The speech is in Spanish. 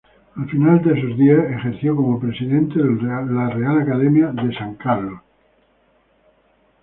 Al final de sus días ejerció como presidente de Real Academia de San Carlos.